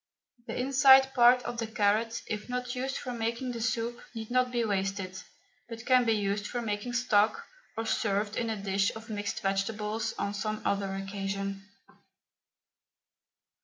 The inside part of the carrot, if not used for making the soup, need not be wasted, but can be used for making stock, or served in a dish of mixed vegetables on some other occasion.